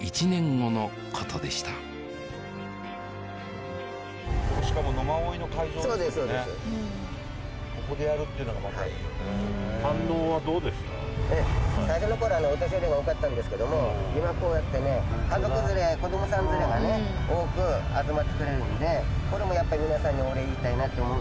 ここしかもここでやるっていうのがまたいいよねうん最初の頃はお年寄りが多かったんですけども今こうやってね家族連れ子どもさん連れがね多く集まってくれるんでこれもやっぱりみなさんにお礼言いたいなって思うんですね